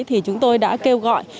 thì chúng tôi đã kêu gọi